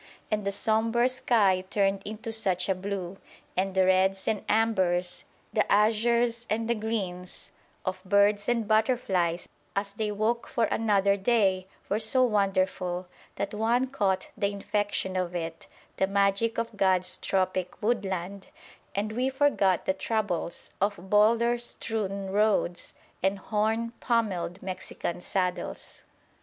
And the sombre sky turned into such a blue, and the reds and ambers, the azures and the greens, of birds and butterflies as they woke for another day were so wonderful, that one caught the infection of it, the magic of God's tropic woodland, and we forgot the troubles of boulder strewn roads and horn pommelled Mexican saddles.